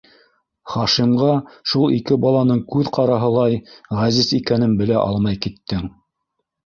Хашимға шул ике баланың күҙ ҡараһылай ғәзиз икәнен белә алмай киттең!